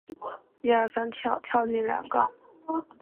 一二三跳！跳进染缸！